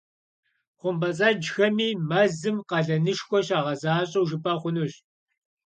ХъумпӀэцӀэджхэми мэзым къалэнышхуэ щагъэзащӏэу жыпӏэ хъунущ.